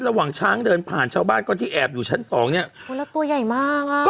ระหว่างช้างเดินผ่านชาวบ้านก็ที่แอบอยู่ชั้นสองเนี้ยโอ้แล้วตัวใหญ่มากอ่ะ